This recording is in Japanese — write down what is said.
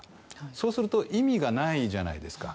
そうすると意味がないじゃないですか。